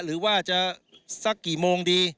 หรือว่าจะสักกี่โมงดี